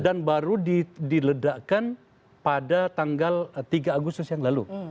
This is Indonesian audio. dan baru diledakkan pada tanggal tiga agustus yang lalu